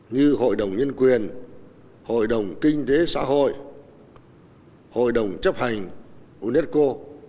như hội đồng nhân quyền hội đồng kinh tế xã hội hội đồng chấp hành unesco